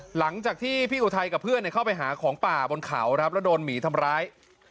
หลังจากที่พี่อุทัยกับเพื่อนเข้าไปหาของป่าบนเขาครับแล้วโดนหมีทำร้าย